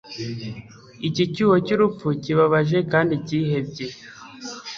iki cyuho cyurupfu, kibabaje kandi cyihebye